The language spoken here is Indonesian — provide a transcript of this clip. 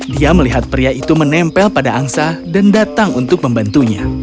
dia melihat pria itu menempel pada angsa dan datang untuk membantunya